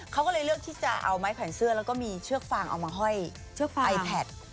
เขาก็เลยเลือกที่จะเอาไม้แขวนเสื้อแล้วก็มีเชือกฟางเอามาห้อยไอแพท